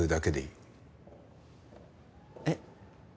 えっ？